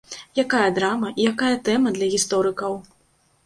Якая драма і якая тэма для гісторыкаў!